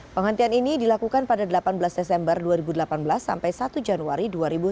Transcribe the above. penghentian ini dilakukan pada delapan belas desember dua ribu delapan belas sampai satu januari dua ribu sembilan belas